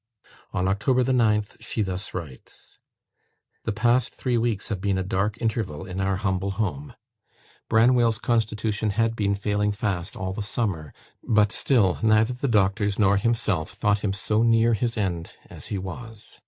On October the 9th, she thus writes: "The past three weeks have been a dark interval in our humble home. Branwell's constitution had been failing fast all the summer; but still, neither the doctors nor himself thought him so near his end as he was.